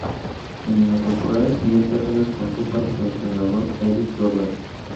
En la temporada siguiente apenas contó para su entrenador, Eddie Jordan.